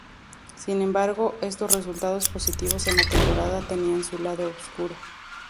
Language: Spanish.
Sin embargo, estos resultados positivos en la temporada tenían su lado oscuro.